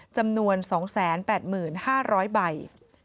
จำนวน๒๘๕๐๐ใบ